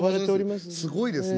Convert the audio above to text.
すごいですね。